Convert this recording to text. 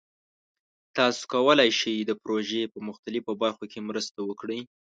تاسو کولی شئ د پروژې په مختلفو برخو کې مرسته وکړئ.